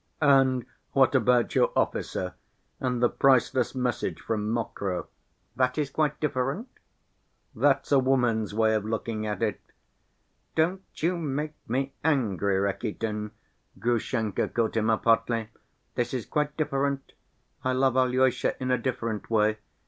"And what about your officer? And the priceless message from Mokroe?" "That is quite different." "That's a woman's way of looking at it!" "Don't you make me angry, Rakitin." Grushenka caught him up hotly. "This is quite different. I love Alyosha in a different way.